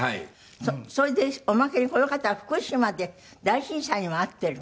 それでおまけにこの方は福島で大震災にも遭っているの？